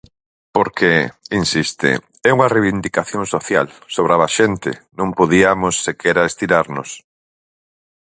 Porque, insiste, é unha reivindicación social, sobraba xente, non podiamos sequera estirarnos.